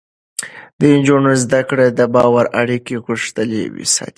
د نجونو زده کړه د باور اړیکې غښتلې ساتي.